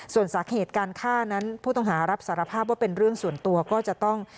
ส่วนสาเหตุการฆ่านั้นผู้ต้องหารับสารภาพว่าเป็นเรื่องส่วนตัวก็จะต้อง